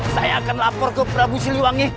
saya akan lapor ke prabu siliwangi